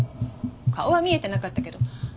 顔は見えてなかったけど。